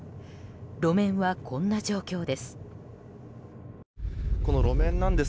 路面はこんな状況です。